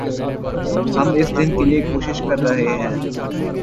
ہم اس دن کے لئے کوشش کررہے ہیں